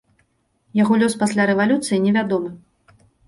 Яго лёс пасля рэвалюцыі невядомы.